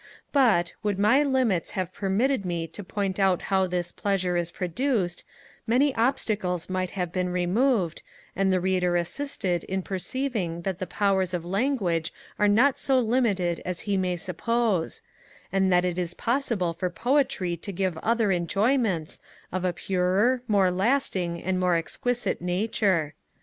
But, would my limits have permitted me to point out how this pleasure is produced, many obstacles might have been removed, and the Reader assisted in perceiving that the powers of language are not so limited as he may suppose; and that it is possible for poetry to give other enjoyments, of a purer, more lasting, and more exquisite nature.